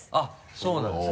そうなんですね。